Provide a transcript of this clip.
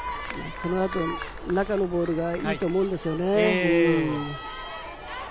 このあと、中のボールがいいと思うんですよね。